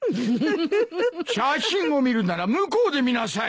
・写真を見るなら向こうで見なさい！